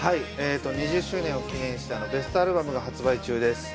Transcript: ２０周年を記念したベストアルバムが発売中です。